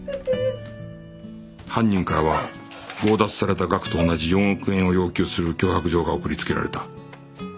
犯人からは強奪された額と同じ４億円を要求する脅迫状が送りつけられた